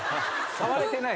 触れてない。